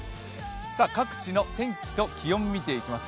各地の天気と気温を見ていきます。